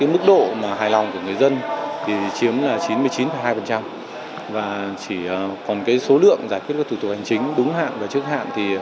mức độ hài lòng của người dân chiếm chín mươi chín hai và chỉ còn số lượng giải quyết các thủ tục hành chính đúng hạn và trước hạn